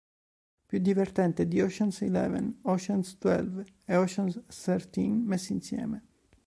Più divertente di "Ocean's Eleven", "Ocean's Twelve" e "Ocean's Thirteen" messi insieme.